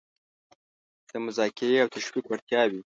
د مذاکرې او تشویق وړتیاوې